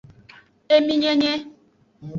Eminyenye.